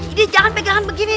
ini jangan pegangan begini